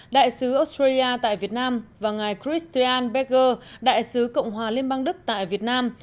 đại sứ australia tại việt nam và ngài christyan becker đại sứ cộng hòa liên bang đức tại việt nam